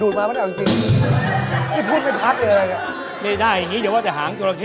ทำไมคะหางเอาไปอยู่ครับ